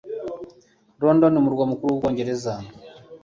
London, umurwa mukuru w'Ubwongereza,